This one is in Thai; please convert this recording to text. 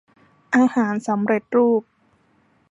อาหารสำเร็จรูป